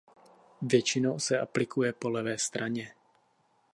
Většinou se aplikuje po levé straně.